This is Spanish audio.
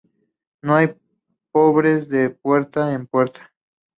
No hay pobres de puerta en puerta.